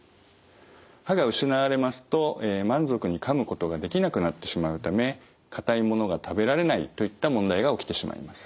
歯が失われますと満足にかむことができなくなってしまうためかたいものが食べられないといった問題が起きてしまいます。